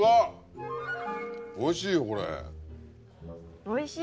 おいしいよこれ。